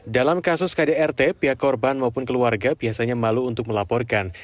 dalam kasus kdrt pihak korban maupun keluarga biasanya malu untuk melaporkan